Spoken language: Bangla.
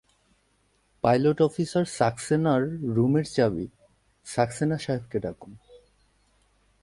পাইলট অফিসার সাক্সেনার রুমের চাবি সাক্সেনা সাহেবকে ডাকুন।